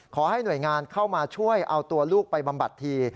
ขอให้หน่วยงานเข้ามาช่วยเอาตัวลูกไปบำบัดที